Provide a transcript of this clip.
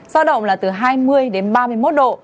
giao động là từ hai mươi đến ba mươi một độ